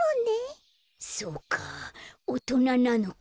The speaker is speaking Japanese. そうかおとななのか。